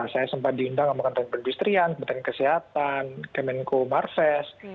saya sempat diundang sama kentang industri kentang kesehatan kemenko marves